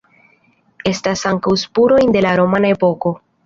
Estas ankaŭ spurojn de la romana epoko.